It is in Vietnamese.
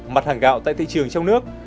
mặt hàng gạo tại thị trường trong nước